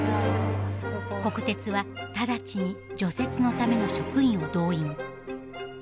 国鉄はただちに除雪のための職員を動員。